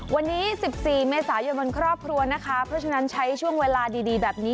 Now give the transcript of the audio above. วันนี้๑๔เมษายนวันครอบครัวนะคะเพราะฉะนั้นใช้ช่วงเวลาดีแบบนี้